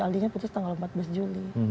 ahlinya putus tanggal empat belas juli